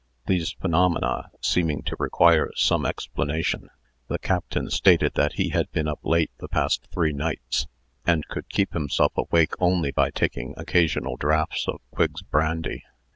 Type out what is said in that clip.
These phenomena seeming to require some explanation, the Captain stated that he had been up late the past three nights, and could keep himself awake only by taking occasional draughts of Quigg's brandy.